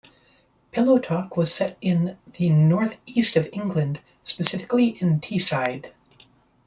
"Pillow Talk" was set in the North East of England, specifically in Teesside.